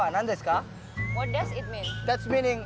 apakah anda masih bicara jepang